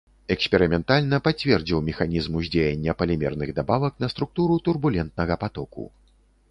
Эксперыментальна пацвердзіў механізм уздзеяння палімерных дабавак на структуру турбулентнага патоку.